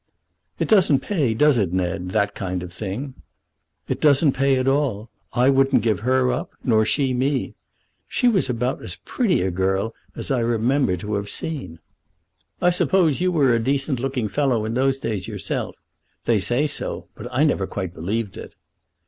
"It doesn't pay; does it, Ned, that kind of thing?" "It doesn't pay at all. I wouldn't give her up, nor she me. She was about as pretty a girl as I remember to have seen." "I suppose you were a decent looking fellow in those days yourself. They say so, but I never quite believed it."